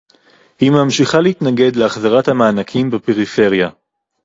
היא ממשיכה להתנגד להחזרת המענקים בפריפריה